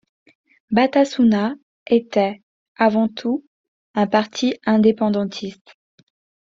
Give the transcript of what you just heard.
Batasuna était, avant tout, un parti indépendantiste.